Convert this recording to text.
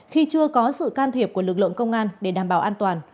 khi chưa có sự can thiệp của lực lượng công an để đảm bảo an toàn